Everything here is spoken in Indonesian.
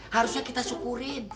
harusnya kita syukurin